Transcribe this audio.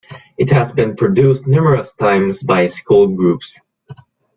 It has been produced numerous times by school groups.